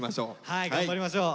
はい頑張りましょう。